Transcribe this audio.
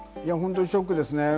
ショックですね。